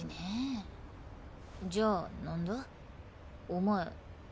じゃあ何だお前。